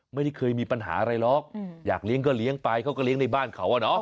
ไม่ได้เคยมีปัญหาอะไรหรอกอยากเลี้ยงก็เลี้ยงไปเขาก็เลี้ยงในบ้านเขาอะเนาะ